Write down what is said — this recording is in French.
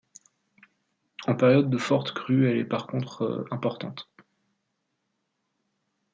En période de forte crue, elle est par contre importante.